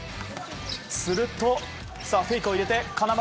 するとフェイクを入れて金丸